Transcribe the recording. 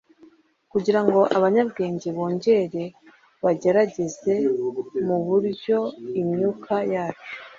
kugirango abanyabwenge bongere bagerageze; nuburyo imyuka yacu